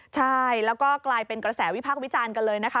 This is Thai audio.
ใช่แล้วก็กลายเป็นกระแสวิพักษ์วิจารณ์กันเลยนะคะ